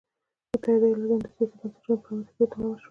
متحده ایالتونو کې د سیاسي بنسټونو په رامنځته کېدو تمامه شوه.